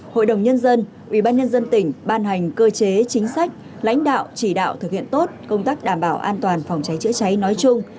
hội đồng nhân dân ủy ban nhân dân tỉnh ban hành cơ chế chính sách lãnh đạo chỉ đạo thực hiện tốt công tác đảm bảo an toàn phòng cháy chế cháy nói chung